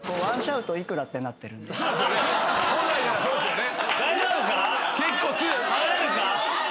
本来ならそうですよね。